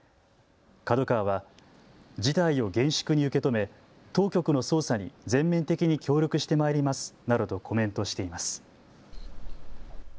ＫＡＤＯＫＡＷＡは事態を厳粛に受け止め当局の捜査に全面的に協力してまいりますなどとコメントしています。